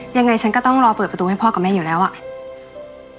ยังไงฉันก็ต้องรอเปิดประตูให้พ่อกับแม่อยู่แล้วอ่ะ